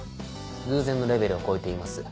偶然のレベルを超えています。